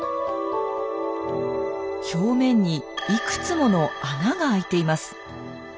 表面にいくつもの穴が開いています。